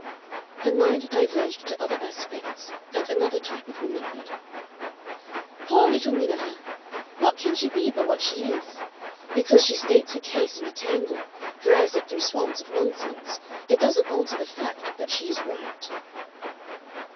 Her mind diverged to other aspects, and another type of womanhood. "Poor little Miniver! What can she be but what she is?... Because she states her case in a tangle, drags it through swamps of nonsense, it doesn't alter the fact that she is right."